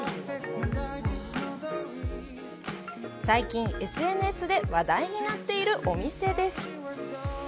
最近、ＳＮＳで話題になっているお店です。